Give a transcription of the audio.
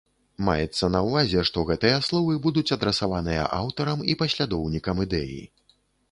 Маецца на ўвазе, што гэтыя словы будуць адрасаваныя аўтарам і паслядоўнікам ідэі.